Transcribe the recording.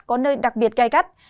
có nơi đặc biệt cay cắt